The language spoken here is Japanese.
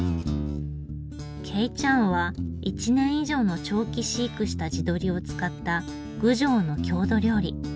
鶏ちゃんは１年以上の長期飼育した地鶏を使った郡上の郷土料理。